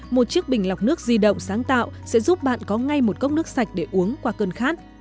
một chiếc bình lọc nước di động sáng tạo sẽ giúp bạn có ngay một cốc nước sạch để uống qua cơn khát